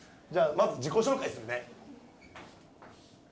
まず自己紹介するね